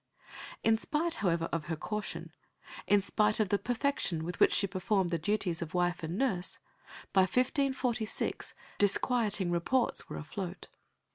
In spite, however, of her caution, in spite of the perfection with which she performed the duties of wife and nurse, by 1546 disquieting reports were afloat.